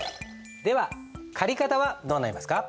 では借方はどうなりますか？